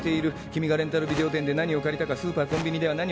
君がレンタルビデオ店で何を借りたかスーパーコンビニでは何を買ったか。